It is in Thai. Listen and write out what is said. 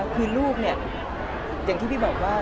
คือลูกเนี่ยอย่างที่พี่บอกว่า